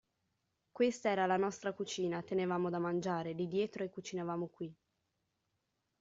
Questa era la nostra cucina. Tenevamo da mangiare, lì dietro e cucinavamo qui.